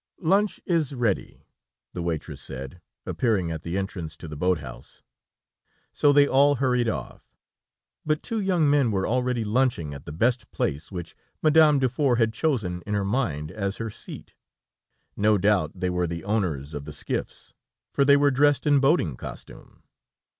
"Lunch is ready," the waitress said, appearing at the entrance to the boat house, so they all hurried off, but two young men were already lunching at the best place, which Madame Dufour had chosen in her mind as her seat. No doubt they were the owners of the skiffs, for they were dressed in boating costume.